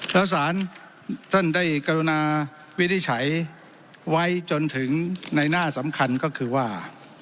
แล้วสารท่านได้กรุณาวินิจฉัยไว้จนถึงในหน้าสำคัญก็คือว่า